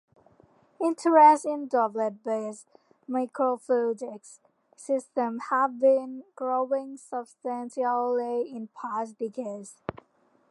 Interest in droplet-based microfluidics systems has been growing substantially in past decades.